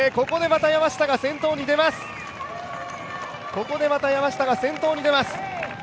ここでまた山下が先頭に出ます。